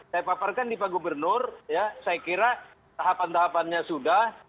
saya paparkan di pak gubernur ya saya kira tahapan tahapannya sudah